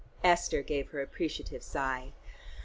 Esther gave her appreciative sigh.